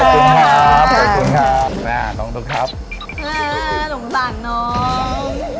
ขอบคุณครับขอบคุณครับอ่าน้องน้องครับอ่าหลงสั่งน้อง